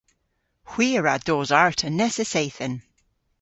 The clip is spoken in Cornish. Hwi a wra dos arta nessa seythen.